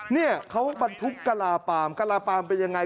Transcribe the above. เนี่ยเขาบรรทุกกะลาปามกะลาปามเป็นยังไง